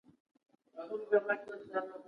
زبېښونکو بنسټونو یو ځل بیا ځان را ژوندی کړ.